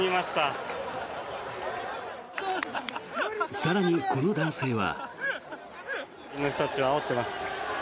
更に、この男性は。